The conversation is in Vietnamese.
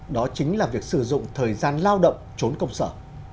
đó chính là việc sử dụng thời gian lao động trốn công sở